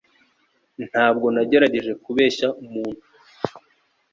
Ntabwo nagerageje kubeshya umuntu.